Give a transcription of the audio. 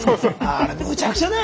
あれむちゃくちゃだよ